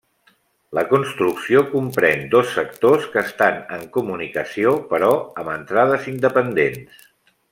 La construcció comprèn dos sectors, que estan en comunicació, però amb entrades independents.